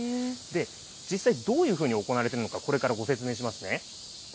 実際、どういうふうに行われているのか、これからご説明しますね。